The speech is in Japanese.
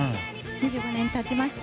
２５年、経ちました。